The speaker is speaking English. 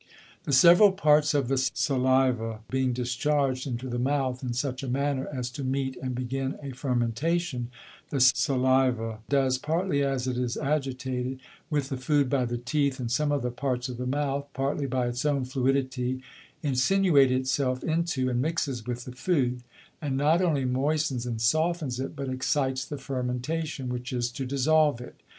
The several Parts of the Saliva being discharg'd into the Mouth in such a manner as to meet and begin a Fermentation, the Saliva does, partly as it is agitated, with the Food by the Teeth, and some other parts of the Mouth; partly by its own Fluidity, insinuate it self into, and mixes with the Food, and not only moistens and softens it, but excites the Fermentation, which is to dissolve it.